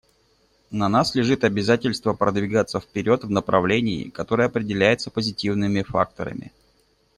На нас лежит обязательство продвигаться вперед в направлении, которое определяется позитивными факторами.